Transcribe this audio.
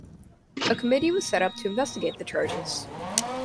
A committee was set up to investigate the charges.